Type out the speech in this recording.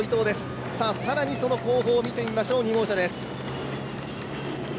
更に、その後方を見てみましょう、２号車です。